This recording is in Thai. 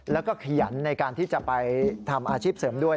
แล้วก็ขยันในการที่จะไปทำอาชีพเสริมด้วย